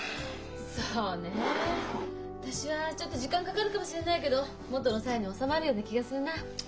そうねえ私はちょっと時間かかるかもしれないけど元のさやに納まるような気がするな。